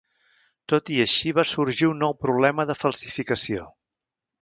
Tot i així va sorgir un nou problema de falsificació.